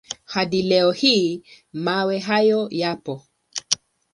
Hadi leo hii mawe hayo yapo.